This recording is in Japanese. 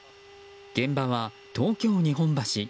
現場は東京・日本橋。